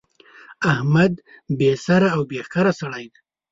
احمد بې سره او بې ښکره سړی دی.